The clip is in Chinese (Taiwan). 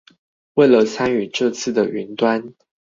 為了參與這次的雲端